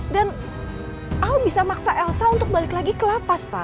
dan al bisa maksa elsa untuk balik lagi ke lapas pa